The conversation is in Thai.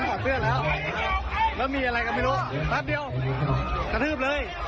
นี่แหละกาซนี่แหละกาซเลือบ